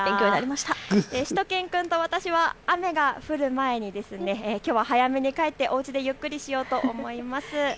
しゅと犬くんと私は雨が降る前にきょうは早めに帰っておうちでゆっくりしようと思います。